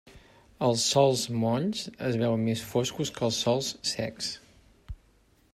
Els sòls molls es veuen més foscos que els sòls secs.